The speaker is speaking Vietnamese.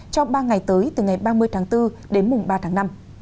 trong ba ngày tới từ ngày ba mươi tháng bốn đến mùng ba tháng năm